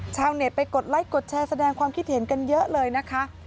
ชาวเน็ตไปกดไลค์กดแชร์แสดงความคิดเห็นกันเยอะเลยนะคะ